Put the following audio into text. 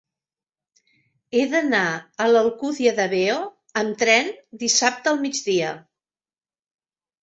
He d'anar a l'Alcúdia de Veo amb tren dissabte al migdia.